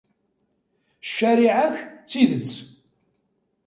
Ccariɛa-k, d tidet.